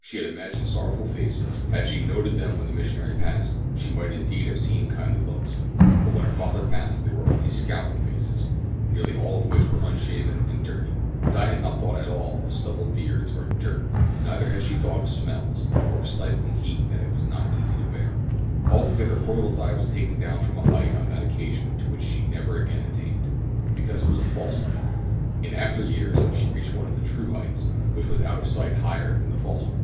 She had imagined sorrowful faces. Had she noted them when the missionary passed, she might indeed have seen kindly looks; but when her father passed there were only scowling faces, nearly all of which were unshaven and dirty. Di had not thought at all of stubbly beards or dirt! Neither had she thought of smells, or of stifling heat that it was not easy to bear. Altogether poor little Di was taken down from a height on that occasion to which she never again attained, because it was a false height. In after years she reached one of the true heights which was out of sight higher than the false one!